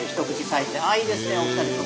いいですねお二人とも。